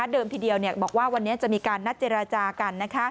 ทีเดียวบอกว่าวันนี้จะมีการนัดเจรจากัน